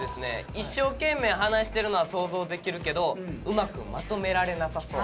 一生懸命話してるのは想像できるけどうまくまとめられなさそう。